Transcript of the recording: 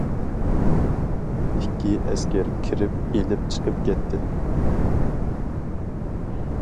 ئىككى ئەسكەر كىرىپ ئېلىپ چىقىپ كەتتى.